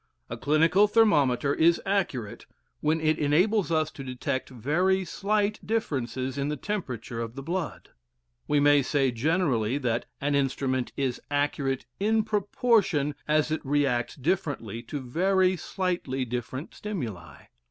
* A clinical thermometer is accurate when it enables us to detect very slight differences in the temperature of the blood. We may say generally that an instrument is accurate in proportion as it reacts differently to very slightly different stimuli.